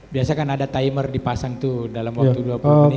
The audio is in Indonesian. biasa kan ada timer dipasang tuh dalam waktu dua puluh menit